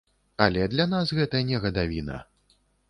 Але для нас гэта не гадавіна.